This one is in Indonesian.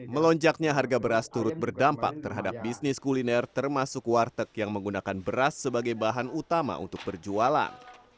melonjaknya harga beras turut berdampak terhadap bisnis kuliner termasuk warteg yang menggunakan beras sebagai bahan utama untuk berjualan